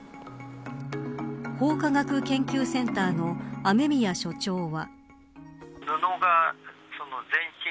法科学研究センターの雨宮所長は。